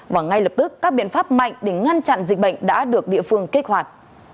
và ngay lập tức các biện pháp mạnh để ngăn chặn dịch bệnh đã được địa phương kích hoạt